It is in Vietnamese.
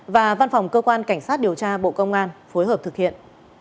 và văn phòng cơ quan cảnh sát điều tra bộ công an phối hợp thực hiện